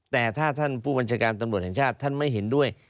แต่ถ้าท่านผู้บัญชาการตำรวจแห่งชาติท่านไม่เห็นด้วย